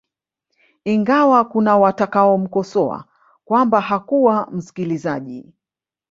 Ingawa kuna watakao mkosoa kwamba hakuwa msikilizaji